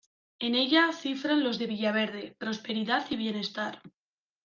En ella cifran los de villaverde prosperidad y bienestar.